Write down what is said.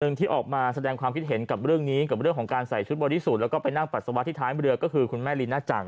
หนึ่งที่ออกมาแสดงความคิดเห็นกับเรื่องนี้กับเรื่องของการใส่ชุดบริสุทธิ์แล้วก็ไปนั่งปัสสาวะที่ท้ายเรือก็คือคุณแม่ลีน่าจัง